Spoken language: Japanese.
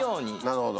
なるほど。